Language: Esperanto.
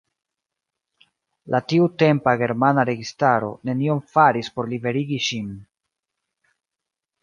La tiutempa germana registaro nenion faris por liberigi ŝin.